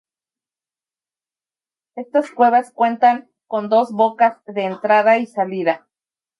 Estas cuevas cuentan con dos bocas de entrada y salida.